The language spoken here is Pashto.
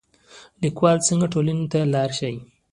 لیکوال څنګه ټولنې ته لار ښيي؟